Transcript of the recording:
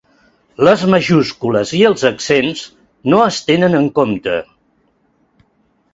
Les majúscules i els accents no es tenen en compte.